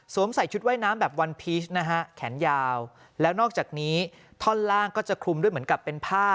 ใส่ชุดว่ายน้ำแบบวันพีชนะฮะแขนยาวแล้วนอกจากนี้ท่อนล่างก็จะคลุมด้วยเหมือนกับเป็นผ้า